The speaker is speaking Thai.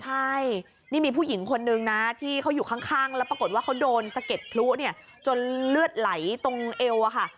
ใช่นี่มีผู้หญิงคนนึงนะที่เขาอยู่ข้างแล้วปรากฏว่าเขาโดนสะเก็ดพลุเนี่ยจนเลือดไหลตรงเอวอะค่ะ